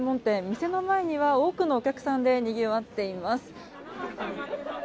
店の前には多くのお客さんでにぎわっています。